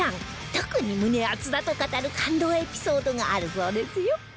特に胸アツだと語る感動エピソードがあるそうですよ